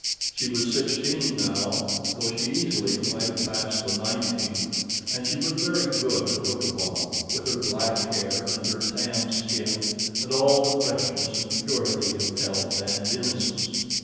She was sixteen now, though she easily might have passed for nineteen, and she was very good to look upon, with her black hair and her tanned skin and all the freshness and purity of health and innocence.